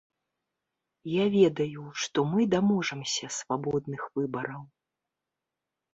Я ведаю, што мы даможамся свабодных выбараў.